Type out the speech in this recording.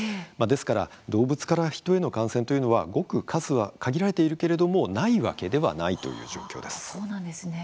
ですから動物から人への感染というのはごく数は限られているけれどもないわけではないという状況です。